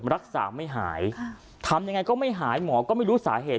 รักษาไม่หายทำยังไงก็ไม่หายหมอก็ไม่รู้สาเหตุ